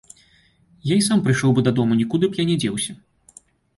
Я і сам прыйшоў бы дадому, нікуды б я не дзеўся.